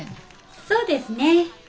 そうですね。